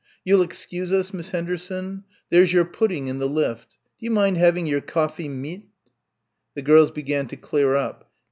You'll excuse us, Miss Henderson? There's your pudding in the lift. Do you mind having your coffee mit?" The girls began to clear up.